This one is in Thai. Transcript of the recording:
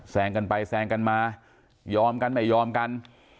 แซงกันไปแซงกันมายอมกันไม่ยอมกัน